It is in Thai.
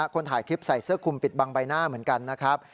คนถ่ายคลิปใส่เสื้อคุมปิดบังใบหน้าเหมือนกันนะครับ